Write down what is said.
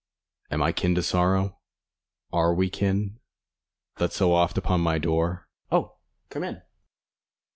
Am I kin to Sorrow? Are we kin? That so oft upon my door _Oh, come in!